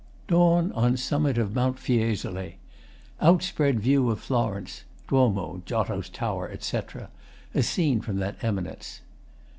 Dawn on summit of Mount Fiesole. Outspread view of Florence (Duomo, Giotto's Tower, etc.) as seen from that eminence.